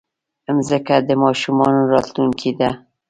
مځکه د ماشومانو راتلونکی ده.